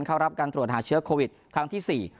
เข้ารับการตรวจหาเชื้อโควิดครั้งที่๔